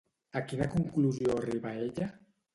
A quina conclusió arriba ella?